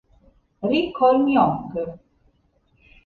Ri Chol-myong